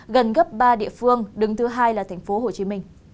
gần gấp ba địa phương đứng thứ hai là tp hcm